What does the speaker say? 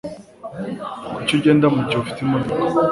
Kuki ugenda mugihe ufite imodoka